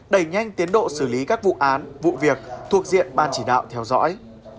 đẩy nhanh tiến độ xử lý các vụ án vụ việc thuộc diện ban chỉ đạo theo dõi